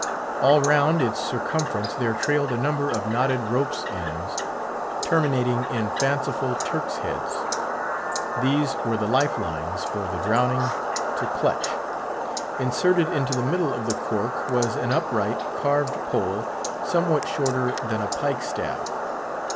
All round its circumference there trailed a number of knotted ropes' ends, terminating in fanciful Turks' heads. These were the life lines, for the drowning to clutch. Inserted into the middle of the cork was an upright, carved pole, somewhat shorter than a pike staff.